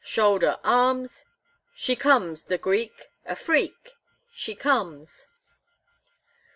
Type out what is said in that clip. Shoulder arms! She comes, the Greek a freak? she comes!"